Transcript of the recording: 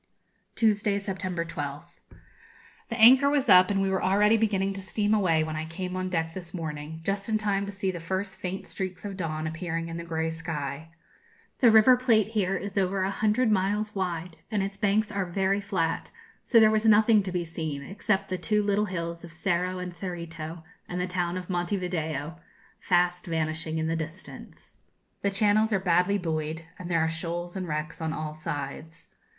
Tuesday, September 12th. The anchor was up, and we were already beginning to steam away when I came on deck this morning, just in time to see the first faint streaks of dawn appearing in the grey sky. The River Plate here is over a hundred miles wide, and its banks are very flat; so there was nothing to be seen, except the two little hills of Cerro and Cerrito and the town of Monte Video, fast vanishing in the distance. The channels are badly buoyed, and there are shoals and wrecks on all sides.